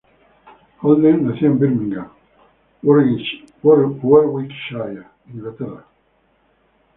Holden nació en Birmingham, Warwickshire, Inglaterra.